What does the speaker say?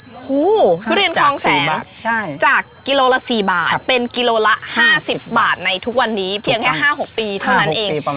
ทุเรียนคลองแสนจากกิโลละ๔บาทเป็นกิโลละ๕๐บาทในทุกวันนี้เพียงแค่๕๖ปีเท่านั้นเอง